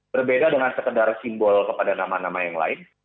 berbeda dengan sekedar simbol kepada nama nama yang lain